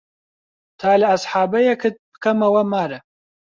تا لە ئەسحابەیەکت پکەمەوە مارە